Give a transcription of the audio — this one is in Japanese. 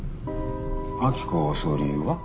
明子を襲う理由は？